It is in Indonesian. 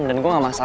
ran ran ran ran